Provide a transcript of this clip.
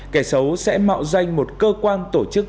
kẻ xấu sẽ mạo danh một cơ quan tổ chức